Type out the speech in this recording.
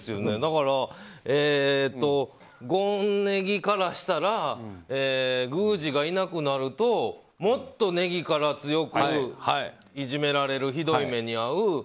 だから、権禰宜からしたら宮司がいなくなるともっと禰宜から強くいじめられるひどい目に遭う。